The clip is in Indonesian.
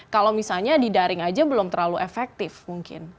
kalau misalnya di daring aja belum terlalu efektif mungkin